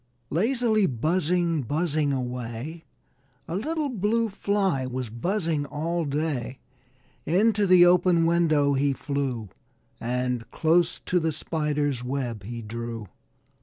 Lazily buzzing, buzzing away, A little Blue Fly was buzzing all day. Into the open window he flew And close to the Spider's web he drew.